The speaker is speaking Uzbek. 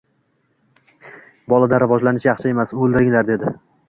Bolada rivojlanish yaxshi emas, oldiringlar, dedi.